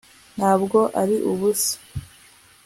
ntabwo ari ubusa